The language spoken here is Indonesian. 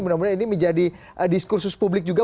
mudah mudahan ini menjadi diskursus publik juga